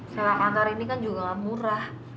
serang antar ini kan juga nggak murah